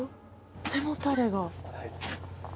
背もたれが。